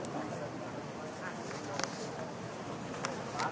โปรดติดตามต่อไป